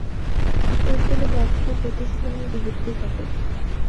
এরফলে ব্যবসা-প্রতিষ্ঠানের বিলুপ্তি ঘটে।